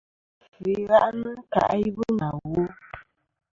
Ndo àfɨ i ghaʼnɨ kaʼ yì bu nà wo.